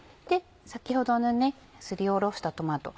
先ほどのすりおろしたトマト。